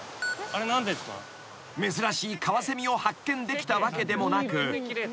［珍しいカワセミを発見できたわけでもなく］